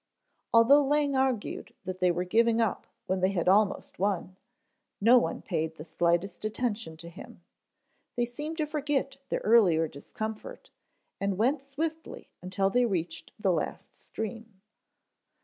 Although Lang argued that they were giving up when they had almost won, no one paid the slightest attention to him. They seemed to forget their earlier discomfort and went swiftly until they reached the last stream.